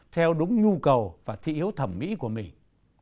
theo đúng nhu cầu và thị hiếu thẩm mỹ của mình